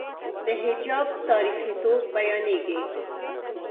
د حجاب تاریخيتوب بیانېږي.